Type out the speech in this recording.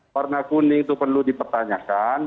warna kuning itu perlu dipertanyakan